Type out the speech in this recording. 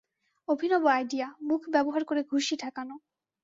অভিনব আইডিয়া, মুখ ব্যবহার করে ঘুষি ঠেকানো।